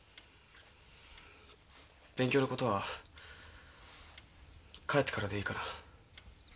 勉強のことは帰ってからでいいかな？